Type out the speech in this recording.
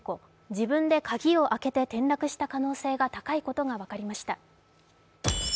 自分で鍵を開けて転落した可能性が高いことが分かりました。